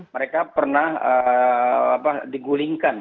mereka pernah digulingkan